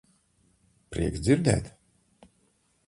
Prieks dzirdēt.